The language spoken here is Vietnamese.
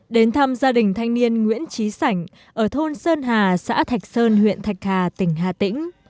đến thăm gia đình thanh niên nguyễn trí sảnh ở thôn sơn hà xã thạch sơn huyện thạch hà tỉnh hà tĩnh